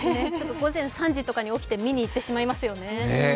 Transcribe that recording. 午前３時とかに起きて見にいってしまいますよね。